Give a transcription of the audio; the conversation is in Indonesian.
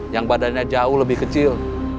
yang badannya jauh lebih kecil